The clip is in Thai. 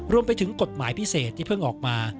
รวมไปถึงกฎหมายพิเศษที่เพิ่งออกมา